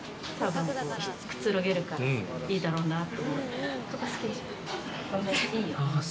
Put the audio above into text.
くつろげるからいいだろうなと。